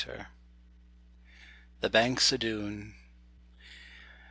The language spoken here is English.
THE BANKS O' DOON.